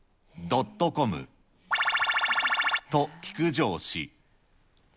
ドットコム×××と聞く上司。